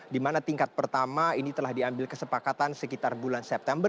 di mana tingkat pertama ini telah diambil kesepakatan sekitar bulan september